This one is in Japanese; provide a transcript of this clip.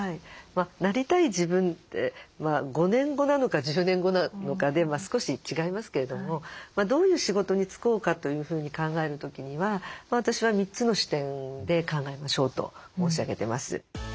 なりたい自分って５年後なのか１０年後なのかで少し違いますけれどもどういう仕事に就こうかというふうに考える時には私は３つの視点で考えましょうと申し上げてます。